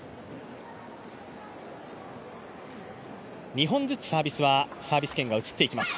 ２本ずつサービス権が移っていきます。